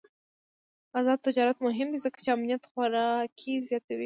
آزاد تجارت مهم دی ځکه چې امنیت خوراکي زیاتوي.